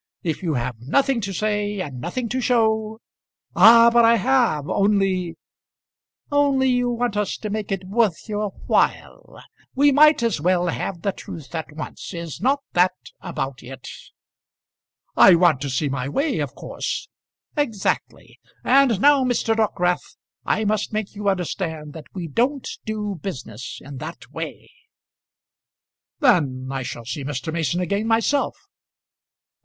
If you have nothing to say, and nothing to show " "Ah, but I have; only " "Only you want us to make it worth your while. We might as well have the truth at once. Is not that about it?" "I want to see my way, of course." "Exactly. And now, Mr. Dockwrath, I must make you understand that we don't do business in that way." "Then I shall see Mr. Mason again myself."